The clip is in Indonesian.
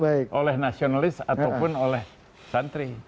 atau yang tidak representasi nasionalis ataupun oleh santri